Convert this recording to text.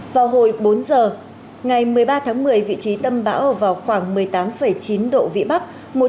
vào hồi bốn giờ ngày một mươi ba tháng một mươi vị trí tâm bão ở vào khoảng một mươi tám chín độ vĩ bắc